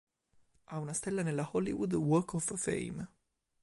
Ha una stella nella Hollywood Walk of Fame.